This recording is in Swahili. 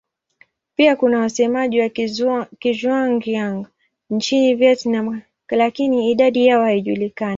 Pia kuna wasemaji wa Kizhuang-Yang nchini Vietnam lakini idadi yao haijulikani.